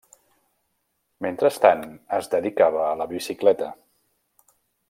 Mentrestant, es dedicava a la bicicleta.